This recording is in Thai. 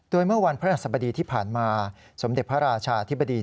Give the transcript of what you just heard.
โดยเมื่อวันพระหัสบดีที่ผ่านมาสมเด็จพระราชาธิบดี